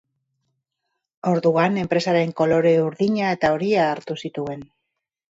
Orduan enpresaren kolore urdina eta horia hartu zituen.